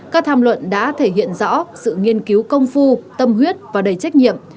các tham luận đã thể hiện rõ sự nghiên cứu công phu tâm huyết và đầy trách nhiệm